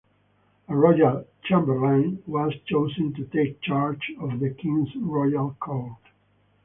A royal chamberlain was chosen to take charge of the king's royal court.